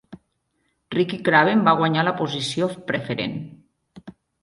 Ricky Craven va guanyar la posició preferent.